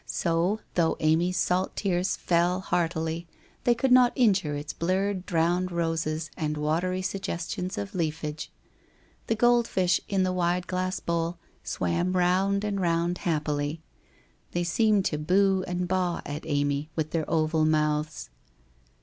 So, though Amy's salt tears fell heartily, they could not injure its blurred, drowned roses, and watery suggestions of leafage. The gold fish in the wide glass bowl swam round and round happily. They seemed to boo and baa at Amy, with their oval mouths.